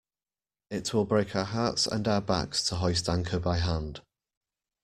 It will break our hearts and our backs to hoist anchor by hand.